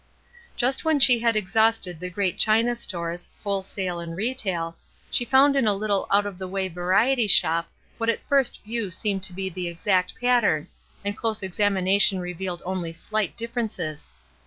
Just when she had exhausted the great china 116 ESTER RIED'S NAMESAKE stores, wholesale and retail, she found in a little out of the way variety shop what at first view seemed to be the exact pattern, and close examination revealed only slight differences.